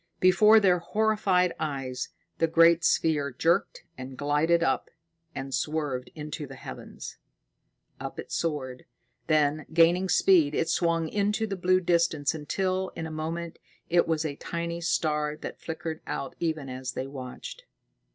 Before their horrified eyes, the great sphere jerked and glided up, and swerved into the heavens. Up it soared; then, gaining speed, it swung into the blue distance until, in a moment, it was a tiny star that flickered out even as they watched.